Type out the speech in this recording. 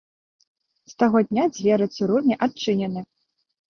З таго дня дзверы цырульні адчынены.